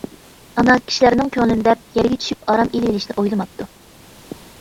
ئانا كىشىلەرنىڭ كۆڭلىنى دەپ، يەرگە چۈشۈپ ئارام ئېلىۋېلىشنى ئويلىماپتۇ.